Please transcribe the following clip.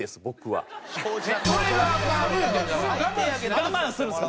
我慢するんですか？